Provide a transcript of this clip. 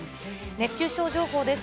熱中症情報です。